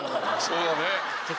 そうだね。